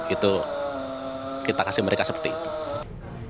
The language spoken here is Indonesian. itu kita kasih mereka seperti itu